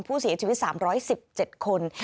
ผู้เสียชีวิต๓๑๗คน